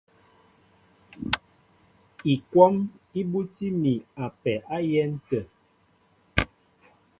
Ikwɔ́m í búti mi a pɛ á yɛ̌n tə̂.